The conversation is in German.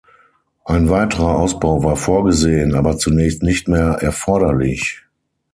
Ein weiterer Ausbau war vorgesehen, aber zunächst nicht mehr erforderlich.